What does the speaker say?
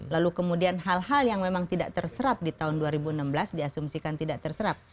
lalu kemudian hal hal yang memang tidak terserap di tahun dua ribu enam belas diasumsikan tidak terserap